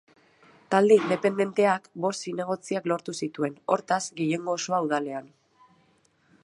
Talde independenteak bost zinegotziak lortu zituen, hortaz gehiengo osoa udalean.